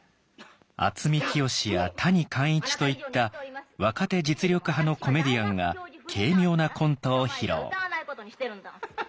渥美清や谷幹一といった若手実力派のコメディアンが軽妙なコントを披露。